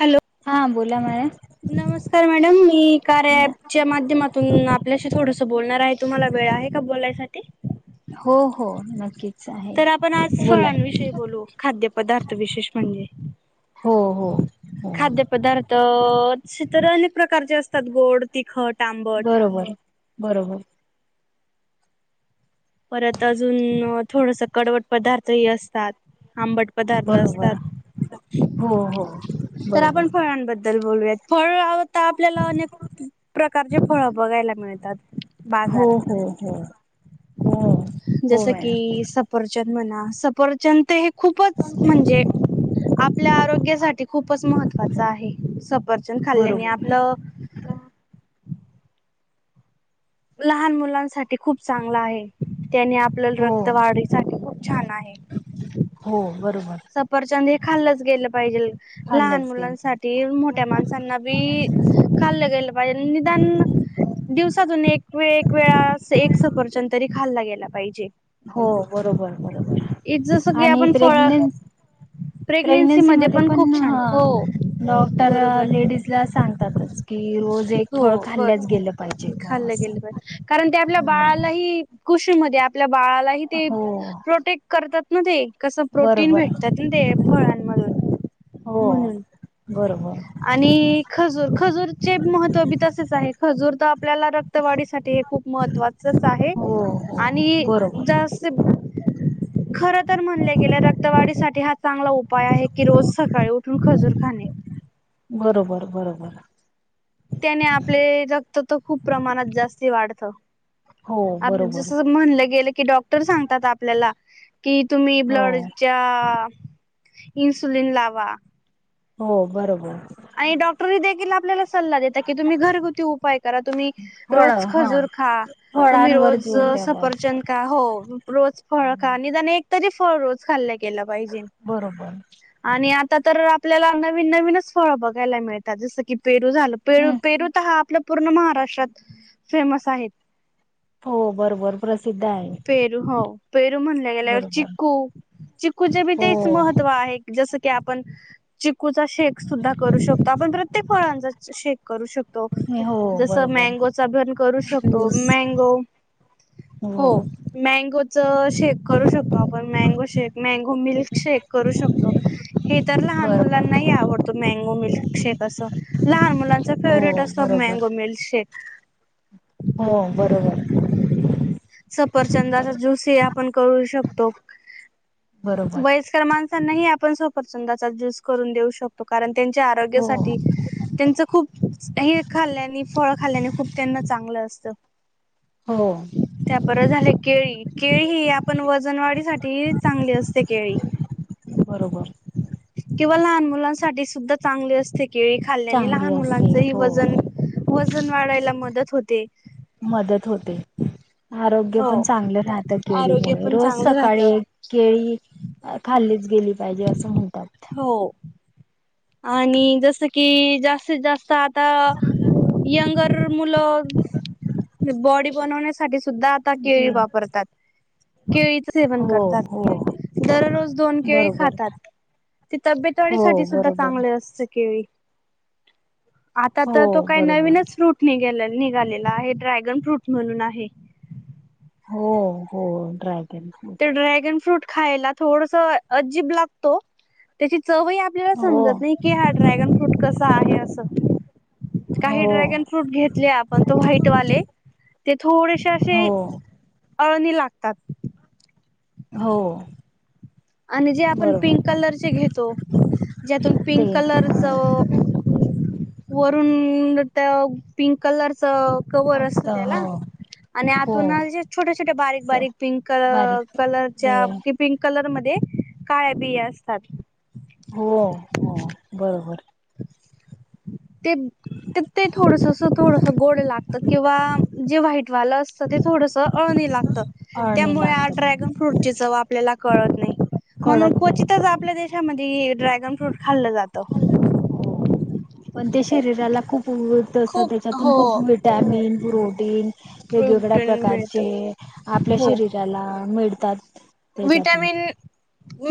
Hello. हा बोला ma'am. नमस्कार मॅडम. मी कार्या ॲप च्या माध्यमातून आपल्याशी थोडस बोलणार आहे. तुम्हाला वेळ आहे का बोलायसाठी. हो हो नक्की. तर आपण आज फळांविषयी बोलू. खाद्यपदार्थ विशेष म्हणजे. हो हो हो. तर खाद्यपदार्थ अ-शीतर आणि प्र प्रकारचे असतात. गोड, तिखट, आंबट. बरोबर बरोबर परत अजून थोडस कडवट पदार्थही असतात. आंबट पदार्थ बरोबर असतात. हो हो तर आपण बरोबर फळांबद्दल बोलूयात. फळ आव आता आपल्याला अनेक प्रकारचे फळ बघायला मिळतात. हो बाजारात. हो हो. हो जस हो मॅडम कि सफरचंद म्हणा. सफरचंद ते खूपच म्हणजे आपल्या आरोग्यासाठी खूपच महत्त्वाच आहे. सफरचंद खाल्ल्याने बरोबर आपलं [inaudible] लहान मुलांसाठी खूप चांगल आहे. त्याने आपल्या हो रक्त वाढीसाठी खूप छान आहे. हो बरोबर सफरचंद हे खाल्लंच गेलं पाहिजे. लहान खाल्लंच गेल मुलांसाठी मोठ्या माणसांना बी खाल्लं गेलं पाहिजे. निदान दिवसातून एक एक वेळा एक सफरचंद तरी खाल्ला गेला पाहिजे हो बरोबर बरोबर. जसं की आणि आपण फळ प्रेगन [inaudible] प्रेग्नेन्सी मध्ये पण खूप छान. ह हो डॉक्टर बरोबर. लेडीज ला सांगतातच की रोज एक हो फळ बर खाल्ल्याच गेलं पाहिजे खाल्लं गेलं असं पाहिजे. कारण ते आपल्या बाळालाही खु आपल्या बाळालाही ते हो प्रोटेक्ट करतात ना ते. कसं प्रोटीन बरोबर भेटतात ना ते फळांमधून. हो म्हणून बरोबर. आणि खजूर खजूरचे महत्त्व बी तसेच आहे. खजूर तर आपल्याला रक्तवाढीसाठी हे खूप महत्त्वाच आहे हो हो आणि बरोबर जास खर तर म्हणले गेलं रक्तवाढीसाठी हा चांगला उपाय आहे, की रोज स सकाळी उठून खजूर खाणे. बरोबर बरोबर. त्याने आपले रक्त तर खूप प्रमाणात जास्ती वाढत. हो अ बरोबर जस म्हणल गेल की की डॉक्टर सांगतात आपल्याला, कि तुम्ही हो ब्लडच्या इनसुलीन लावा. हो, बरोबर. आणि डॉक्टरहि देखील आपल्याला सा सल्ला देत्यात कि तुम्ही घरगुती उपाय करा. तुम्ही फळ रोज हा खजूर खा. तुम्ही फळांवर रोज जोर द्यावा सफरचंद खा. हो रोज फळ खा निदान एक तरी फळ रोज खाल्ल गेलं पाहिजे. बरोबर आणि आता तर आपल्याला नवीन नवीनच फळ बघायला मिळतात. जसं की पेरू झालं पेरू हम्म पेरू तर हा आपला पूर्ण महाराष्ट्रात फेमस आहेत. हो बरोबर प्रस पेरू हो. पेरू म्हणल गेल्यावर बरोबर चिक्कू चिक्कूचे बी हो तेचं महत्त्व आहे. जसं कि आपण चिक्कूचा शेक सुद्धा करू शकतो. आपण प्रत्येक फळांचा चे शेक करू शकतो. तो. हो जसं बरोबर मँगोचा पण करू शकतो. ज्यूस मँगो हो मँगोचं शेक करू शकतो आपण. Mango shake mango milk shake करू शकतो.... फक्त हे तर लहान बरोबर मुलांनाहि हो आवडतो मँगो मिल्क शेक असं लहान मुलांचं... हो फेव्हरेट असतो हा बरोबर मँगो मिल्क शेक... हो, बरोबर आहे.... सफरचंदाचा ज्यूस हि आपण करू शकतो... बरोबर वयस्कर माणसांनाही आपण सफरचंदाचा ज्यूस करून देऊ शकतो. कारण, त्यांच्या हो आरोग्यासाठी त्यांचं खूप हे खाल्ल्याने फळ खाल्ल्याने खूप त्यांना चांगलं अस... त.... हो त्या परत झाले केळी. केळी हि आपण वजनवाढीसाठी चांगली असते केळी..... [unintelligible] बरोबर..... किंवा लहान मुलांसाठी सुद्धा चांगली असते के... केळी खाल्ल्याने चांगली लहान असते मुलांचहि हो वजन वजन वाढायला मदत होते..... मदत होते.... आरोग्य हो पण चांगलं राहतं आरोग्य केळीमुळे. पण रोज चांगलं सकाळी राहतं एक केळी... खाल्लीचं गेली पाहिजे असं म्हणत... हो.... आणि जसं कि जास्तीत जास्त आ... त्ता यंगर मुलं बॉडी बनवण्यासाठी... सुद्धा आता जी. केळी वापरतात.... केळीचं सेवन हो करतात. हो दररोज दोन केळी बरोबर खातात.... ती तब्येत हो वाढीसाठी सुद्धा बरोबर. चांगली असते केळी.... आता हो तर तो काय बरोबर नवीनच फ्रुट निघ्याले निघालेला आहे... ड्रॅगन फ्रुट म्हणून आहे.. हो हो ड्रॅग.. ते ड्रॅगन फ्रुट खायला थोडसं अजीब लागतो, त्याची... चव हि आपल्याला हो. समजत नाही कि हा ड्रॅगन फ्रुट कसा आहे असं... हो काही ड्रॅगन फ्रूट घेतले आपण ते व्हाईटवाले ते थोडेसे असे... हो अळणी लागतात.... हो.... आणि जे आपण पिंक बरोबर कलरचे घेतो ज्यातून ते पिंक कलरचं वरून... रून त्यावर पिंक कलरचं कवर असत असतं त्याला.... हो आणि आतून हो. असे छोट्या छोट्या बारीक बारीक पिंक कलर बारीक कलरच्या कि पिंक कलर मध्ये... मध्ये काळ्या बिया असतात.... हो, हो, बरोबर.... ते.... तर ते थोडसं असं थोडसं गोड लागतं किंवा जे व्हाईट वालं असतं ते थोडसं अळणी लाग... अळणी त्यामुळे लागते ड्रॅगन फ्रूटची चव आपल्याला कळत नाही.... म्हणून कळत नाही क्वचितच आपल्या देशामध्ये ड्रॅगन फ्रूट खाल्लं जातं.... पण ते शरीराला खूप तसं खूप त्याच्यातून हो खूप विटॅमिन, प्रोटीन, वेगवेगळ्या प्रोटीन मिळत प्रकारचे, आपल्या हो शरीराला मिळतात.... त्याच्यातून विटॅमिन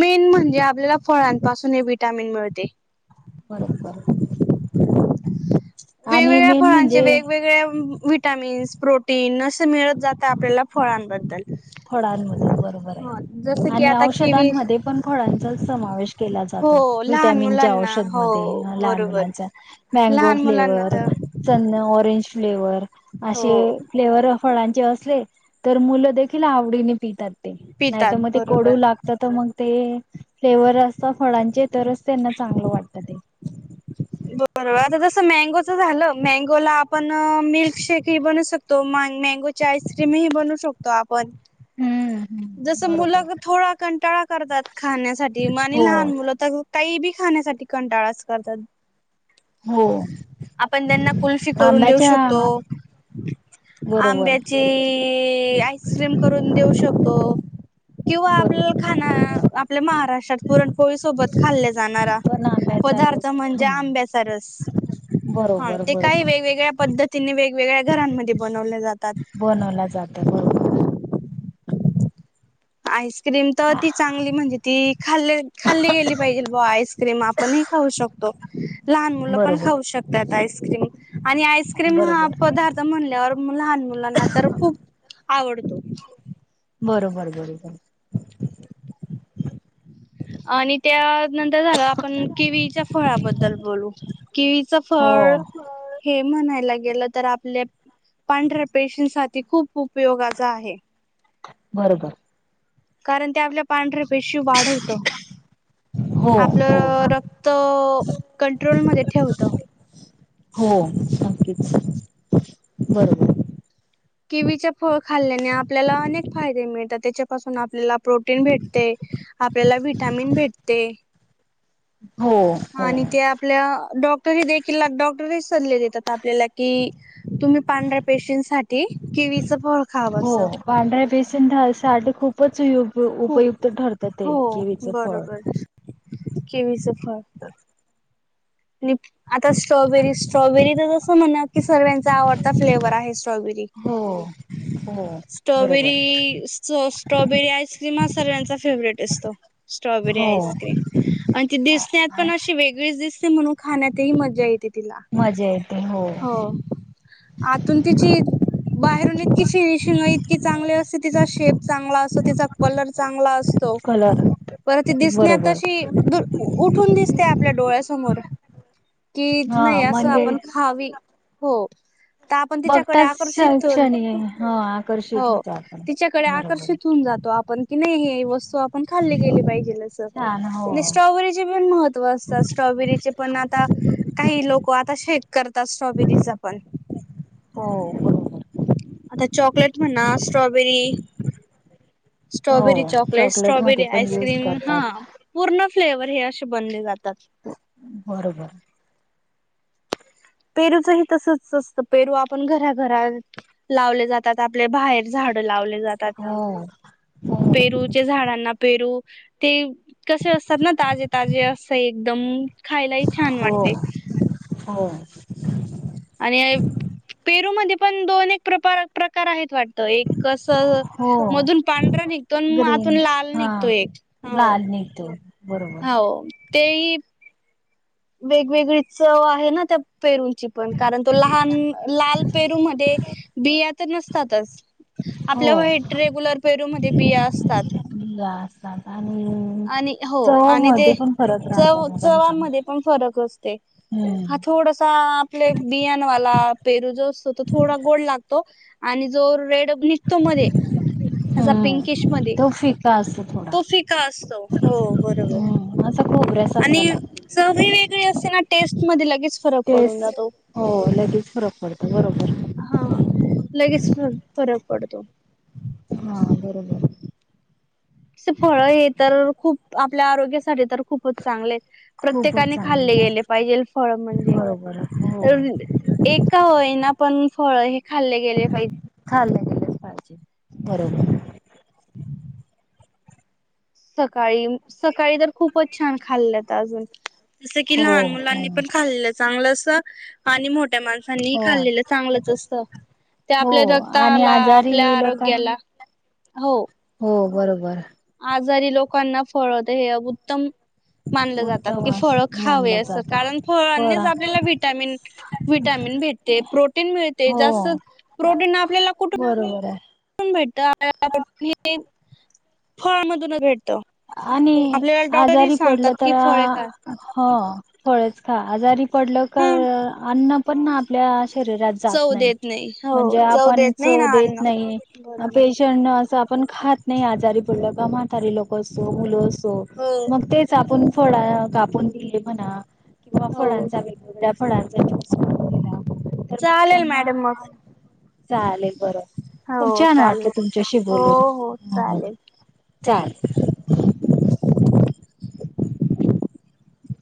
मेन म्हणजे आपल्याला फळांपासून हे विटॅमिन मिळते.... बरोबर, आणि वेगवेगळ्या मेन फळांचे म्हणजे वेगवेगळ्या विटामिन्स, प्रोटीन, मिळत जातात आपल्याला फळांबद्दल, फळांमधून बरोबर आहे हो जसं की आणि आता किवी औषधांमध्ये पण फळांचा समावेश.... केला जातो हो लहान विटॅमिनच्या मुलांना औषध हो मध्ये लहान बरोबर मुलांचा मॅगो लहान मुलांना फ्लेवर, तर स् ऑरेंज... फ्लेवर हो असे फ्लेवर फळांचे असले तर मुलं देखील, देखील आवडीने पितात ते नाहीतर, पितात मग ते कडू बरोबर लागत तर मग, ते फ्लेवर असत फळांचे तरच त्यांना चांगलं वाटत ते, बरोबर आता जस मँगोच झालं मँगोला आपण मिल्कशेकही बनू शकतो. मॅगोचे आईस्क्रीमही बनवू शकतो आपण, हम्म हम्म जस मुलं बरोबर थोडा कंटाळा करतात खाण्यासाठी मग आणि हो लहान मुलं तर, काही बी खाण्यासाठी कंटाळाच करतात. हम्म, आपण त्यांना कुल्फी करून देऊ शकतो. बरोबर आंब्याची आईस्क्रीम करून देऊ शकतो. किंवा आपल्या बरोबर खाना आपल्या महाराष्ट्रात पुरण, पोळीसोबत खाल्ल्या जाणारा पण आंब्याचा पदार्थ रस म्हणजे ह आंब्याचा रस. हा बरोबर ते काही बरोबर वेगवेगळ्या पद्धतीने वेगवेगळ्या घरांमध्ये बनव बनवल्या जाते बरोबर! आईस क्रीम तर ती चांगली म्हणजे ती खाल्ली खाल्ली गेली पाहिजे ब आईस्क्रीम आपण ह खाऊ शकतो. लहान मुलं पण बरोबर खाऊ शकतात आईस्क्रीम आणि आईस्क्रीम हा बरोबर पदार्थ म्हणल्यावर लहान मुलांना तर खूप आवडतो. बरोबर बरोबर! आणि त्यानंतर झालं आपण केवीच्या फळाबद्दल बोलू किळीच फळ हो हे म्हणायलाे गेलं तर आपल्या पांढऱ्या पेशी साठी खूप उपयोगाचा आहे. बरोबर! कारण ते आपल्या पांढऱ्या पेशी वाढवत. हो हो आपलं रक्त कंट्रोलमध्ये ठेवत. हो नकीच बरोबर! किवीच्या फळ खाल्ल्याने आपल्याला अनेक फायदे मिळतात. त्याच्यापासून आपल्याला, प्रोटीन भेटते, आपल्याला विटामिन भेटते, हो हो आणि ते आपल्या डॉक्टरही देखील डॉक्टरही सल्ले देतात आपल्याला कि, तुम्ही पांढऱ्या पेशींसाठी केवीचं फळ खावं असं साठ खूपच खूप उपयुक्त ठरत ते केवीचं फळ केवी च फळ आणि आता स्ट्रॉबेरी स्ट्रॉबेरी तर जसं म्हण की सगळ्यांचा आवडता फ्लेवर आहे स्ट्रॉबेरी हो हो! बरोबर स्ट्रॉबेरी स स्ट्रॉबेरी आईस्क्रीम हा सगळ्यांचा फेवरवरेट असतो स्ट्रॉबेरी. हो म त दिसण्यात पण अशी वेगळीच दिसते म्हणून खाण्यात मजा येते [unintelligible] मजे हो आतून तिची बाहेरून इतकी फिनिशिंग की चांगली असते तिचा शेप चांगला असतो तिचा कलर चांगला असतो कलर पर त दिसणे त बरोबर अशी द उठून दिसते आपल्या डोळ्यासमोर कि हा नाही असं म्हणजे आपण खावी हो तर आपण तिच्याकडे बघताच आकर्षित क्षणी हो आकर्षित हो होतो आपण तिच्याकडे बरोबर आकर्षित होऊन जातो आपण की नाही हे वस्तू आपण खाल्ली गेली पाहिजे ल अस छान हो म्हणजे स्ट्रॉबेरीचे पण महत्त्व असतात स्ट्रॉबेरीचे पण आता काही लोक आता शेत स्ट्रॉबेरी जाफल हो बरोबर म्हणा स्ट्रॉबेरी स्ट्रॉबेरी हो चॉकलेट मध्ये स्ट्रॉबेरी पण यूज आईसक्रीम हा करतात पूर्ण फ्लेवर हे असे बनले जात बरोबर पेरूच ह तसच असतं पेरू आपण घराघरात लावले जातात आपले बाहेर झाडं लावले हो पेरू झाडांना पेरू ते कसे असतात ना ताजे ताजे अस एकदम खायलाही छान हो हो वाटते हो आणि पेरू मध्ये पण दोन एक प्र प्रकार आहेत वाट एक कस हो मधून पांढरा निघतो आणि मग आतून लाल निघतो एक हो नाहीेतो हो तेही वेगवेगळी चव आहे ना त्या पेरूंची पण कारण तो लहान लाल पेरू मध्ये बिया तर नसतातच हो आपल्या वाईट रेग्युलर पेरूमध्ये ते बिया असतात बला आणि हो आणि ते पण फरक राहतो चव मुलांच्या चवा्हामध्ये पण फरक असते हा हम्म थोडासा आपले बियाणवाला पेरू जो असतो तो थोडा गोड लागतो आणि जो रेड निटतो मध्ये असा पिंकिश हम्म मध्ये तो फिका असतो थोडा तो फिका असतो हो हम्म असा बरोबर आणि खोबऱ्यासारखा लागतो सवी वेगळी असते ना टेस्ट मध्ये लगेच फरक पडून जातो रकड हा लगेच फरक पडतो हा बरोबर फळ हे तर खूप आपल्या आरोग्यासाठी तर खूपच चांगले खूपच प्रत्येकाने खाल्ले चांगली गेले आहे पाहिजे फळ म्हणजे बरोबर हो एका होय ना पण फळ हे खाल्ले गेले पाहिजे खाल्लं गेलंच पाहिजे. बरोबर सकाळी सकाळी तर खूपच छान खाल्लंत अजून जस की हो लहान मुलांनी पण हो खाल्लेलं चांगलं अस आणि मोठ मोठ्या माणसांनी खाल्लेलं चांगलंच असतं त्या हो आपल्या आणि रक्ताला आजारी आपल्या लोक आरोग्याला हो हो बरोबर आजारी लोकांना फळत हे उत्तम मान जातात उत्तम की फळ खावे मानलं अस जात कारण फळ फळा आपल्याला विटमिन विटामिन भेटते प्रोटीन मिळते हो जास्त प्रोटीन आपल्याला कुठ बरोबर आहे. भेटत हे फळमधूनच भेटत आणि आपल्याला डॉक्टरही आजारी पडल सांगतात तर की फळे खा हो फळच खा आजारी हा अन्न पण आपल्या शरीरात शरीरात जात चव नाही देत हो म्हणजे चव आपण देत नाही जो ना देत अन्न नाही बरोबर पेशंट असं पण खात नाही आजारी पडलं का म्हातारी लोक असो किंवा मुलं असो हो मग तेच आपण फळ कापून दिले म्हणा किंवा हो फळांचा वेगवेगळ्या फळांचा ज्यूस करून दिला तर मग चालेल त्यांना मॅडम मग चालेल बर खूप हो छान वाटल चालेल तुमच्याशी हो बोलून हो मग चालेल थँक्यू चालेल [unintelligible]